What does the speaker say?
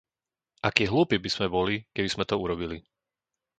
Akí hlúpi by sme boli, keby sme to urobili.